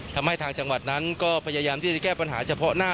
ทางจังหวัดนั้นก็พยายามที่จะแก้ปัญหาเฉพาะหน้า